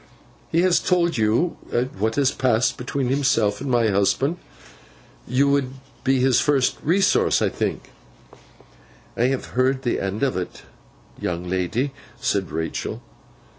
'He has told you what has passed between himself and my husband? You would be his first resource, I think.' 'I have heard the end of it, young lady,' said Rachael.